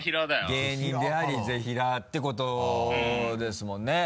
芸人でありぜひらーってことですもんね。